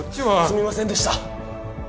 すみませんでした。